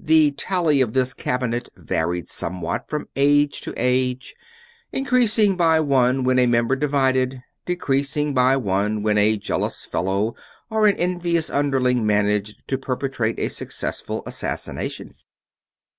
The tally of this cabinet varied somewhat from age to age; increasing by one when a member divided, decreasing by one when a jealous fellow or an envious underling managed to perpetrate a successful assassination.